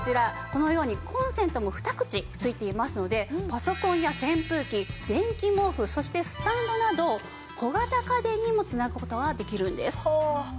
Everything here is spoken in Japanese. このようにコンセントも２口付いていますのでパソコンや扇風機電気毛布そしてスタンドなど小型家電にも繋ぐ事ができるんです。